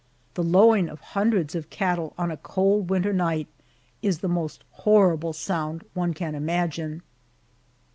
The lowing of hundreds of cattle on a cold winter night is the most horrible sound one can imagine.